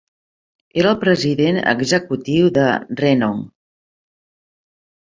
Era el president executiu de Renong.